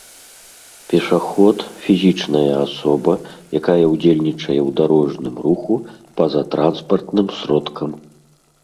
пешаход — фізічная асоба, якая ўдзельнічае ў дарожным руху па-за транспартным сродкам